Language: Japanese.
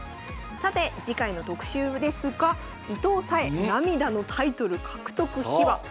さて次回の特集ですが「伊藤沙恵涙のタイトル獲得秘話」。